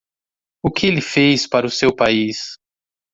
O que ele fez para o seu país?